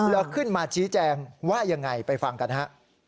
แล้วขึ้นมาชี้แจงว่ายังไงไปฟังกันฮะ